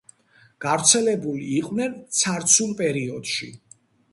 გავრცელებული იყვნენ ცარცულ პერიოდში.